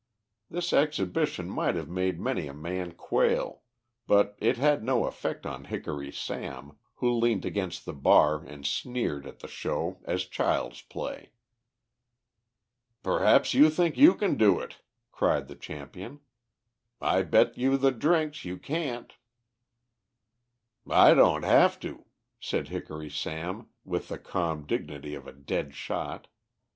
This exhibition might have made many a man quail, but it had no effect on Hickory Sam, who leant against the bar and sneered at the show as child's play. "Perhaps you think you can do it," cried the champion. "I bet you the drinks you can't." "I don't have to," said Hickory Sam, with the calm dignity of a dead shot.